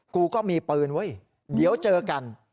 กูก็มีปืนเว้ยเดี๋ยวเจอกัน